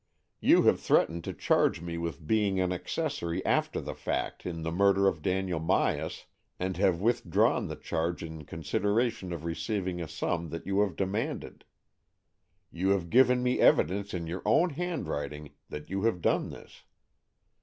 You have threatened to charge me with being an accessory after the fact in the murder of Daniel Myas, and have withdrawn the charge in consideration of receiving a sum that AN EXCHANGE OF SOULS 175 you have demanded. You have given me evidence in your own handwriting that you have done this.